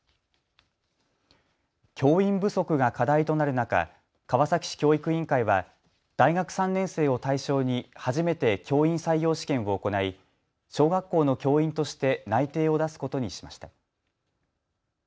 教員不足が課題となる中、川崎市教育委員会は大学３年生を対象に初めて教員採用試験を行い小学校の教員として内定を出すことにしました。